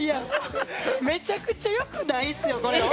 めちゃくちゃ良くないですよ、これ。